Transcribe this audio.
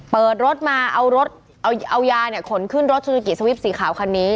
เปิดรถมาเอารถเอายาเนี่ยขนขึ้นรถซูลิกิสวิปสีขาวคันนี้